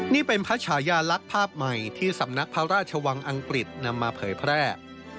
นี่เป็นพระชายาลักษณ์ภาพใหม่ที่สำนักพระราชวังอังกฤษนำมาเผยแพร่